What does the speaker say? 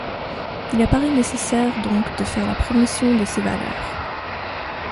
Il apparaît nécessaire donc de faire la promotion de ses valeurs.